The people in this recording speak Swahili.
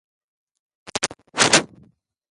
Ndugu zangu wanapenda kusoma vitabu za hadithi